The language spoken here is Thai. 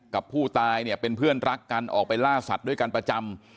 กับผู้ตายเนี่ยเป็นเพื่อนรักกันออกไปล่าสัตว์ด้วยกันประจำ